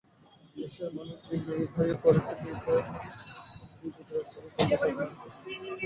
দেশের মানুষ জিম্মি হয়ে পড়েছেন বিবদমান দুই জোটের রাজনৈতিক দ্বন্দ্বের কারণে।